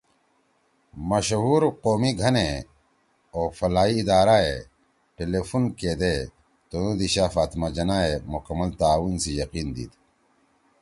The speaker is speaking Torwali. مشہور قومی گھنے او فلاحی ادارہ ئے ٹیلی فون کیدے تنُو دیِشا فاطمہ جناح ئے مکمل تعاون سی یقین دیِد۔